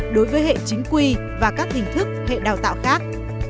đối với hệ chính quy và các hình thức hệ đào tạo khác